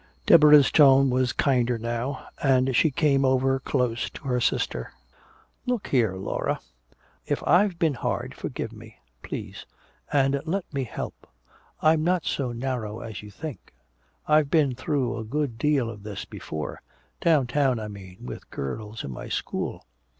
Deborah's tone was kinder now, and she came over close to her sister. "Look here, Laura, if I've been hard, forgive me please and let me help. I'm not so narrow as you think. I've been through a good deal of this before downtown, I mean, with girls in my school.